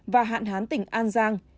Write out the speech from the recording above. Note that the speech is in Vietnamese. và hạn hán tỉnh an giang